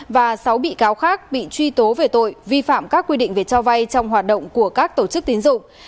và sáu bị cáo khác bị truy tố về tội vi phạm các quy định về cho vay trong hoạt động của các tổ chức tín dụng